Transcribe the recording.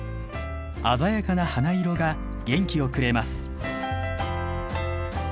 鮮やかな花色が元気をくれます。